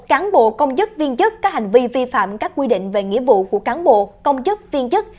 cán bộ công chức viên chức có hành vi vi phạm các quy định về nghĩa vụ của cán bộ công chức viên chức